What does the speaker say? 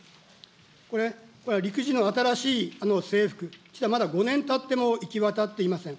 これ、これは陸自の新しい制服、まだ５年たっても行き渡っていません。